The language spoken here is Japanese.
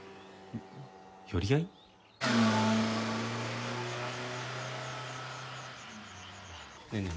寄り合い？ねえねえ。